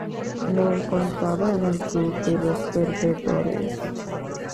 Me encontraba en el club de los perdedores".